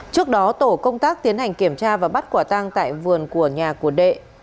trước đó tổ công tác tiến hành kiểm tra và bắt quả tang tại vườn của nhà của đệ